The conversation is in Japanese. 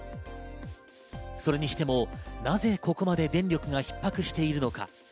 それにしても、なぜここまで電力がひっ迫しているのか。